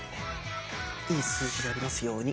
いい数字でありますように。